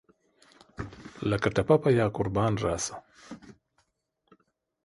لکه ټپه پۀ یاقربان راسه !